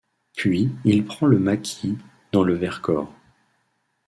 Puis il prend le maquis dans le Vercors.